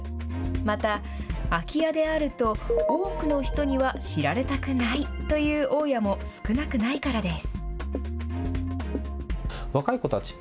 また、空き家であると、多くの人には知られたくないという大家も少なくないからです。